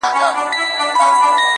خلک خپل ژوند ته ځي تل,